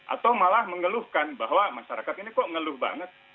atau malah mengeluhkan bahwa masyarakat ini kok ngeluh banget